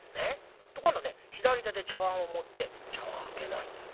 今度ね左手で茶わんを持って茶わん開けないんだよ。